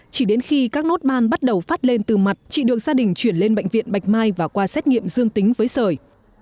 chỉ đến khi các nốt ban bắt đầu phát lên từ mặt chị được gia đình chuyển lên bệnh viện bạch mai và qua xét nghiệm dương tính với sởi